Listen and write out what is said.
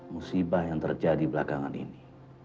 musibah yang terjadi belakangan ini